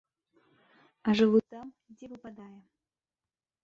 А жыву там, дзе выпадае.